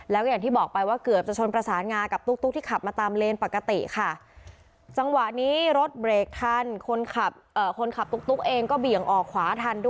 แล้วอย่างที่บอกไปว่าเกือบจะชนประสานงากับตุ๊กที่ขับมาตามเลนส์ปกติค่ะ